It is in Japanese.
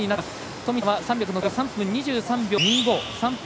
富田は３００の通過が３分２３秒２５。